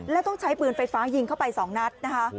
แล้วต้องใช้ปืนไฟฟ้ายิงเข้าไป๒นัดนะคะ